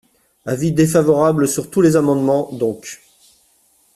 Avis défavorable sur tous les amendements, donc.